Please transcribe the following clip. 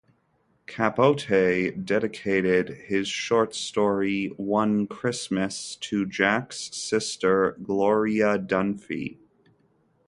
Capote dedicated his short story "One Christmas" to Jack's sister Gloria Dunphy.